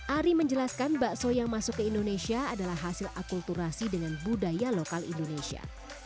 ari menjelaskan bakso yang masuk ke indonesia adalah hasil akulturasi dengan budaya lokal indonesia